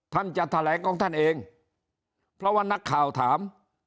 ท่านจะแถลงของท่านเองเพราะว่านักข่าวถาม